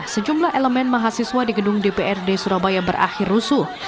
sejumlah elemen mahasiswa di gedung dprd surabaya berakhir rusuh